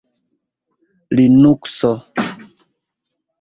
linukso